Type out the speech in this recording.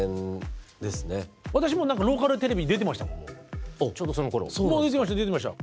私もうローカルテレビ出てましたもん。